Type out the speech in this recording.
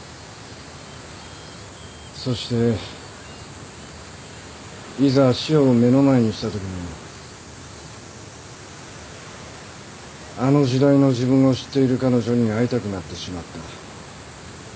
そしていざ死を目の前にしたときにあの時代の自分を知っている彼女に会いたくなってしまった。